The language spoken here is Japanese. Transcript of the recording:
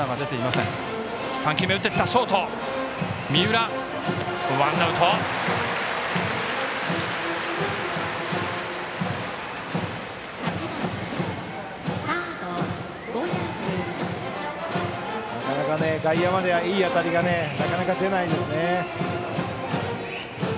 外野までは、いい当たりがなかなか出ないですね。